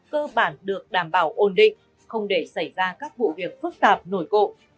cơ bản được đảm bảo ổn định không để xảy ra các vụ việc phức tạp nổi cộ